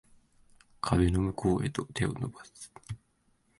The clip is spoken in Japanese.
壁の向こうへと手を伸ばす